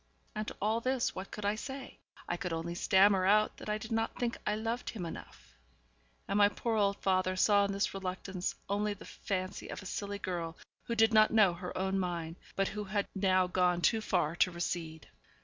And to all this what could I say? I could only stammer out that I did not think I loved him enough; and my poor old father saw in this reluctance only the fancy of a silly girl who did not know her own mind, but who had now gone too far to recede.